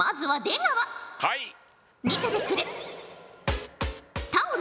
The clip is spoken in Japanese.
はい。